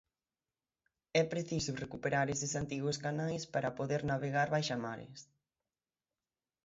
É preciso recuperar eses antigos canais para poder navegar baixamares.